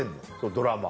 ドラマ。